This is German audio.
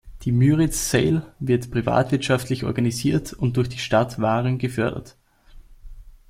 Die Müritz Sail wird privatwirtschaftlich organisiert und durch die Stadt Waren gefördert.